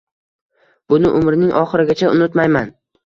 Buni umrimning oxirigacha unutmayman